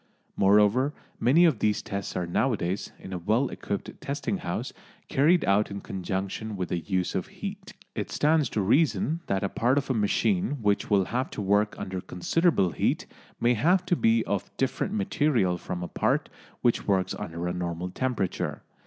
Moreover, many of these tests are nowadays, in a well equipped testing house, carried out in conjunction with the use of heat. It stands to reason that a part of a machine which will have to work under considerable heat may have to be of different material from a part which works under a normal temperature.